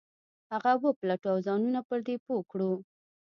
هغه وپلټو او ځانونه پر دې پوه کړو.